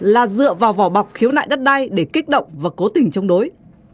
là dựa vào vỏ bọc khiếu nại đất đai để kích động và cố tình chống đối